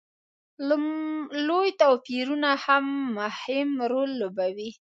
لوی توپیرونه هم مهم رول لوبوي.